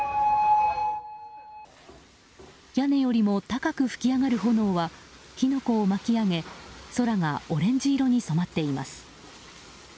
屋根よりも高く噴き上がる炎は火の粉を巻き上げ空がオレンジ色に染まっています。